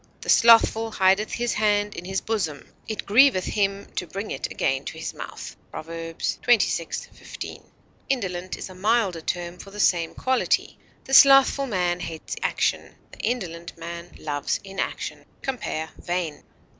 "The slothful hideth his hand in his bosom; it grieveth him to bring it again to his mouth," Prov. xxvi, 15. Indolent is a milder term for the same quality; the slothful man hates action; the indolent man loves inaction. Compare VAIN.